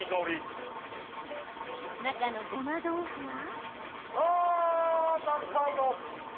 中のごま豆腐は？